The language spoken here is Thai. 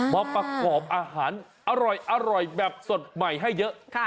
มาประกอบอาหารอร่อยแบบสดใหม่ให้เยอะ